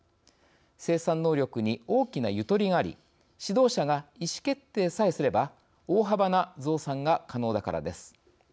生産能力に大きなゆとりがあり指導者が意思決定さえすれば大幅な増産が可能だからです。